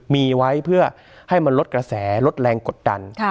มีไว้เพื่อให้มันลดกระแสลดแรงกดดัน